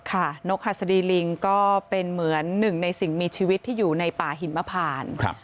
นกหัสดีลิงก็เป็นเหมือนหนึ่งในสิ่งมีชีวิตที่อยู่ในป่าหินมพาน